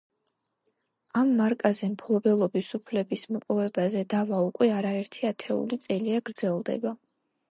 ამ მარკაზე მფლობელობის უფლების მოპოვებაზე დავა უკვე არა ერთი ათეული წელია გრძელდება.